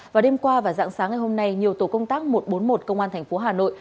vào đêm qua và dạng sáng ngày hôm nay nhiều tổ công tác một trăm bốn mươi một công an thành phố hà nội